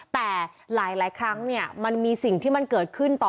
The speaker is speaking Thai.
แต่หลายครั้งมันมีสิ่งที่มันเกิดขึ้นต่อ